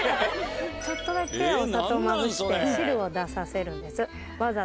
ちょっとだけお砂糖まぶして汁を出させるんですわざと。